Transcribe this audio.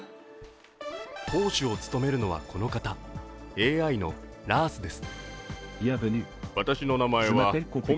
党首を務めるのはこの方、ＡＩのラースです。